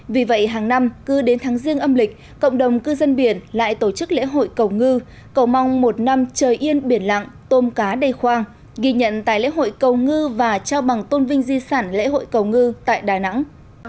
vì vậy hàng năm cứ đến tháng riêng âm lịch cộng đồng cư dân biển lại tổ chức lễ hội cầu ngư cầu mong một năm trời yên biển lặng tôm cá đầy khoang ghi nhận tại lễ hội cầu ngư và trao bằng tôn vinh di sản lễ hội cầu ngư tại đà nẵng